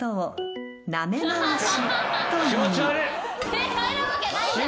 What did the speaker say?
正解なわけないじゃん！